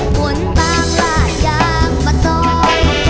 ผลต่างราดยางมาต่อย